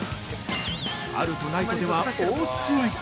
「あるとないとでは大違い！」